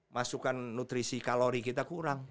masukkan nutrisi kalori kita kurang